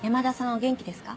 お元気ですか？